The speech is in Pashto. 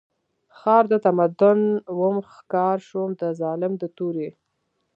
ښار د تمدن وم ښکار شوم د ظالم د تورې